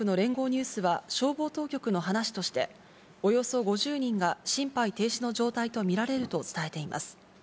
ニュースは消防当局の話として、およそ５０人が心肺停止の状態と見られると伝えています。